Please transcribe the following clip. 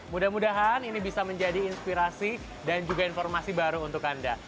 mudah mudahan ini bisa menjadi inspirasi dan juga informasi baru untuk anda